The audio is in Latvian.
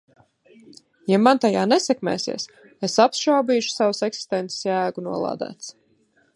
Ja man tajā nesekmēsies, es apšaubīšu savas eksistences jēgu, nolādēts!